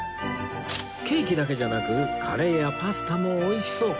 ケーキだけじゃなくカレーやパスタも美味しそう